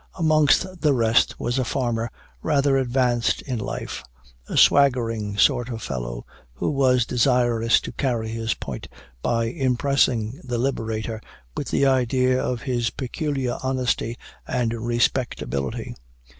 Amongst the rest was a farmer rather advanced in life, a swaggering sort of fellow, who was desirous to carry his point by impressing the Liberator with the idea of his peculiar honesty and respectability.